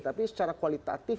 tapi secara kualitatif